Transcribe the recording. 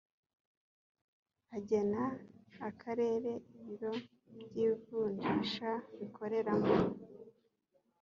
agena akarere ibiro by’ivunjisha bikoreramo